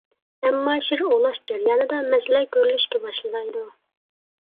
ئەمما شىر ئوۋلاش جەريانىدا مەسىلە كۆرۈلۈشكە باشلايدۇ.